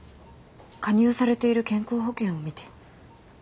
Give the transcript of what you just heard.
加入されている健康保険を見て。